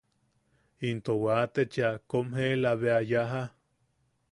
Into wate cheʼa kom jeela bea yaja.